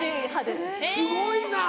すごいな！